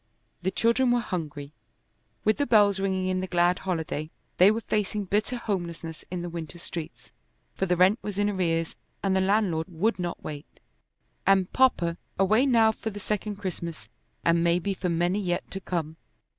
The children were hungry. With the bells ringing in the glad holiday, they were facing bitter homelessness in the winter streets, for the rent was in arrears and the landlord would not wait. And "Papa" away now for the second Christmas, and maybe for many yet to come!